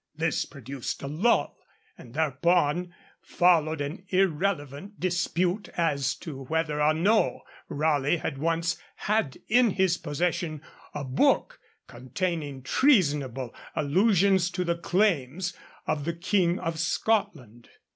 This produced a lull, and thereupon followed an irrelevant dispute as to whether or no Raleigh had once had in his possession a book containing treasonable allusions to the claims of the King of Scotland.